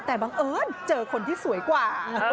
แต่บังเอิญเจอคนที่สวยกว่า